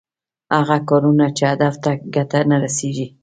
هغه کارونه چې هدف ته ګټه نه رسېږي.